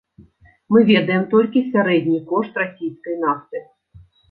Мы ведаем толькі сярэдні кошт расійскай нафты.